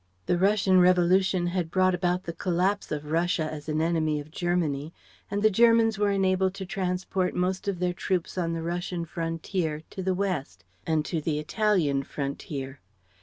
The Russian revolution had brought about the collapse of Russia as an enemy of Germany; and the Germans were enabled to transport most of their troops on the Russian frontier to the west and to the Italian frontier.